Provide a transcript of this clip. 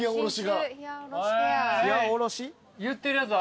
言ってるやつある？